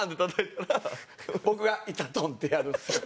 僕が「いたとん」ってやるんですよ。